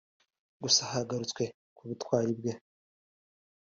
gusa hagarutswe kubutwari bwe